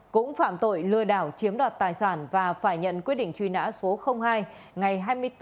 cũng phạm tội lừa đảo chiếm đoạt tài sản và phải nhận quyết định truy nã số hai ngày hai mươi bốn năm hai nghìn một mươi một